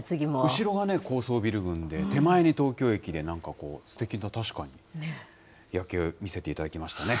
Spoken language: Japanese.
後ろは高層ビル群で、手前に東京駅で、なんかこう、すてきな、確かに夜景、見せていただきましたね。